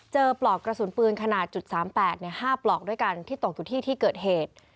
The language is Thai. ปลอกกระสุนปืนขนาด๓๘๕ปลอกด้วยกันที่ตกอยู่ที่ที่เกิดเหตุ